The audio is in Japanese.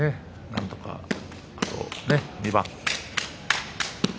なんとかあと２番。